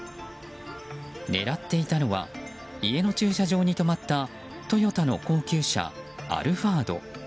狙っていたのは家の駐車場に止まっていたトヨタの高級車アルファード。